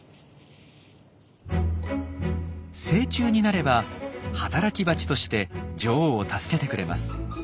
成虫になれば働きバチとして女王を助けてくれます。